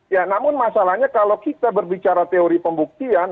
ya namun masalahnya kalau kita berbicara teori pembuktian